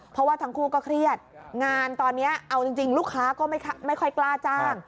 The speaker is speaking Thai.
เพราะว่าทั้งคู่ก็เครียดงานตอนนี้เอาจริงลูกค้าก็ไม่ค่อยกล้าจ้าง